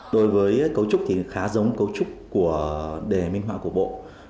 đối với cấu trúc thì khá giống cấu trúc của đề minh họa của bộ